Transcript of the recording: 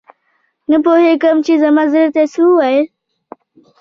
نه پوهیږم چې زما زړه ته یې څه وویل؟